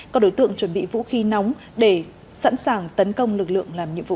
các đối tượng chuẩn bị vũ khí nóng để sẵn sàng tấn công lực lượng làm nhiệm vụ